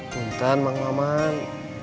bentar emang maman